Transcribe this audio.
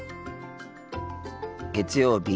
月曜日。